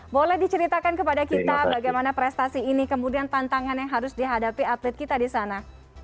boleh diceritakan kepada kita bagaimana prestasi ini kemudian tantangan yang harus dihadapi atlet kita di sana